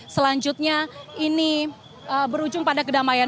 selanjutnya ini berujung pada kedamaian